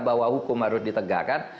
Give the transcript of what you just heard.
bahwa hukum harus ditegakkan